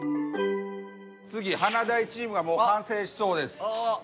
次華大チームがもう完成しそうです。